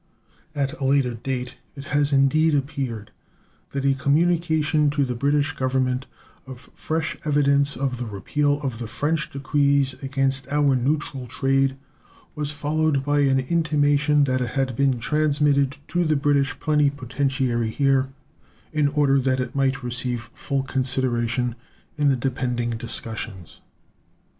At a later date it has indeed appeared that a communication to the British Government of fresh evidence of the repeal of the French decrees against our neutral trade was followed by an intimation that it had been transmitted to the British plenipotentiary here in order that it might receive full consideration in the depending discussions.